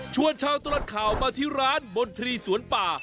ชาวตลอดข่าวมาที่ร้านบนทะเลสวนป่า